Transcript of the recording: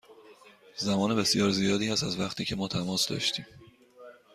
زمان بسیار زیادی است از وقتی که ما تماس داشتیم.